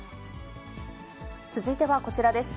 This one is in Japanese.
続いてはこちらです。